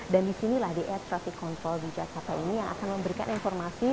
dan disinilah di air traffic control di jakarta ini yang akan memberikan informasi